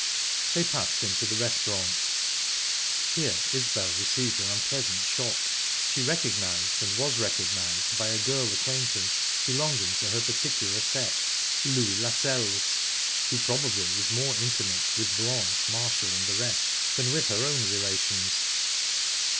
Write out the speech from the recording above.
They passed into the restaurant. Here Isbel received an unpleasant shock. She recognised and was recognised by a girl acquaintance belonging to her particular set Louie Lassells, who probably was more intimate with Blanche, Marshall, and the rest than with her own relations.